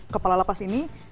kepala lapas ini